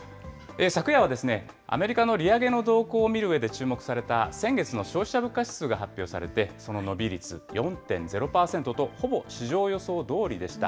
昨夜はアメリカの利上げの動向を見るうえで注目された先月の消費者物価指数が発表されて、その伸び率、４．０％と、ほぼ市場予想どおりでした。